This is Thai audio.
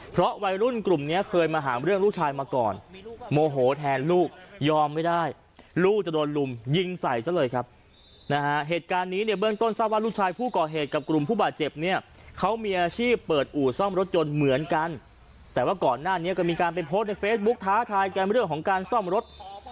เพราะวัยรุ่นกลุ่มเนี้ยเคยมาหาเรื่องลูกชายมาก่อนโมโหแทนลูกยอมไม่ได้ลูกจะโดนลุมยิงใส่ซะเลยครับนะฮะเหตุการณ์นี้เนี่ยเบื้องต้นทราบว่าลูกชายผู้ก่อเหตุกับกลุ่มผู้บาดเจ็บเนี่ยเขามีอาชีพเปิดอู่ซ่อมรถยนต์เหมือนกันแต่ว่าก่อนหน้านี้ก็มีการไปโพสต์ในเฟซบุ๊กท้าทายกันเรื่องของการซ่อมรถ